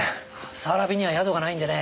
早蕨には宿がないんでね。